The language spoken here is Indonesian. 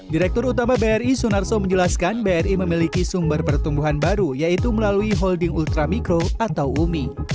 direktur utama bri sunarso menjelaskan bri memiliki sumber pertumbuhan baru yaitu melalui holding ultramikro atau umi